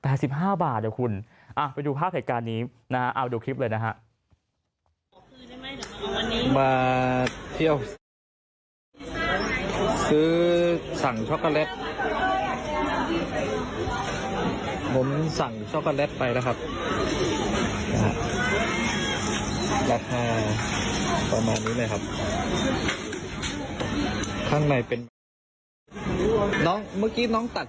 ละค่ะประมาณนี้แหละครับข้างในเป็นเนาะเมื่อกี้น้องตัด